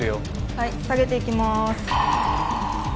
はい下げていきます